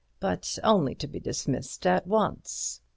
But only to be dismissed at once.